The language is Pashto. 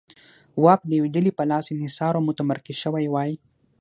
واک د یوې ډلې په لاس انحصار او متمرکز شوی وای.